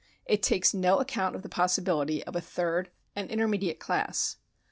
It takes no account of the possibiUty of a third and intermediate class.